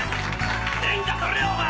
天下取れよお前！